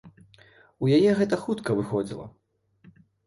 У яе гэта хутка выходзіла.